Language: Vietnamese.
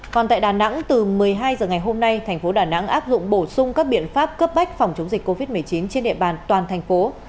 còn tại đà nẵng từ một mươi hai h ngày hôm nay thành phố đà nẵng áp dụng bổ sung các biện pháp cấp bách phòng chống dịch covid một mươi chín trên địa bàn toàn thành phố